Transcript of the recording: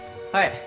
はい。